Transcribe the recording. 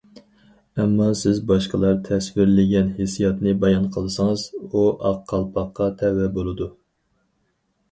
ئەمما سىز باشقىلار تەسۋىرلىگەن ھېسسىياتنى بايان قىلسىڭىز، ئۇ ئاق قالپاققا تەۋە بولىدۇ.